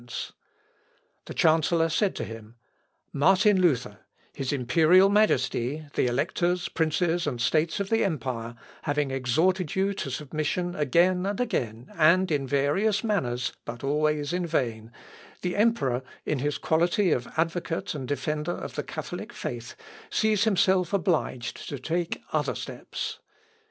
] The chancellor said to him, "Martin Luther, his imperial Majesty, the Electors, Princes, and States of the empire, having exhorted you to submission again and again, and in various manners, but always in vain, the emperor, in his quality of advocate and defender of the Catholic faith, sees himself obliged to take other steps.